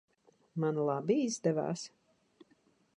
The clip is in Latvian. Man labi izdevās?